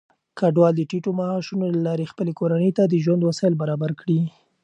کډوال د ټيټو معاشونو له لارې خپلې کورنۍ ته د ژوند وسايل برابر کړي.